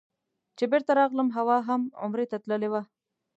چې بېرته راغلم حوا هم عمرې ته تللې وه.